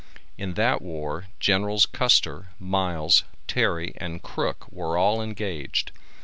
In that war Generals Custer, Miles, Terry and Crook were all engaged.